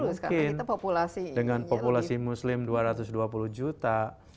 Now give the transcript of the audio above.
muslim dengan populasi muslim dua ratus dua puluh juta